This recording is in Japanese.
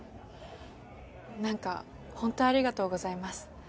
なんかほんとありがとうございます。